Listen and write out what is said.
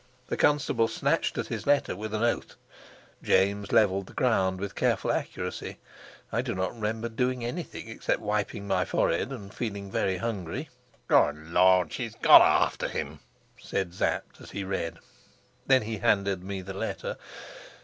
The constable snatched at his letter with an oath; James leveled the ground with careful accuracy; I do not remember doing anything except wiping my forehead and feeling very hungry. "Good Lord, she's gone after him!" said Sapt, as he read. Then he handed me the letter.